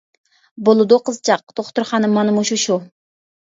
-بولىدۇ قىزچاق، دوختۇرخانا مانا مۇشۇ شۇ.